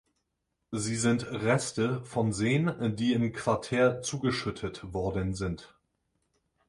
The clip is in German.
Sie sind Reste von Seen, die im Quartär zugeschüttet worden sind.